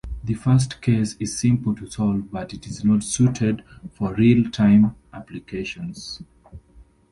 The first case is simple to solve but is not suited for real-time applications.